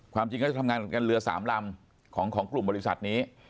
ความจริงก็จะทำงานเหลือสามลำของกลุ่มบริษัทนี้